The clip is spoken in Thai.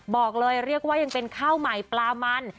บอกเลยเรียกว่ายังเป็นข้าวใหม่ปลามัน